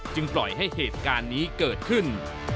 ปล่อยให้เหตุการณ์นี้เกิดขึ้น